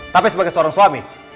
tapi sebagai seorang suami